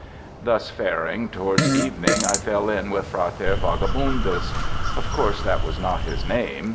Thus faring, towards evening, I fell in with Frater Vagabundus. Of course, that was not his name.